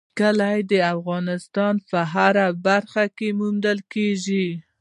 کلي د افغانستان په هره برخه کې موندل کېږي.